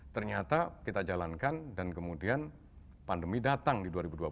ternyata kita jalankan dan kemudian pandemi datang di dua ribu dua puluh